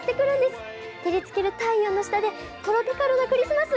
照りつける太陽の下でトロピカルなクリスマス！